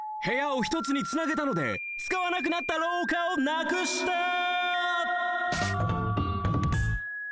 部屋をひとつにつなげたのでつかわなくなったろうかをなくした！